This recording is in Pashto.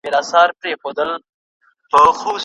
وخت به تېر وي نه راګرځي بیا به وکړې ارمانونه